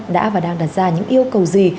đã và đang đặt ra những yêu cầu gì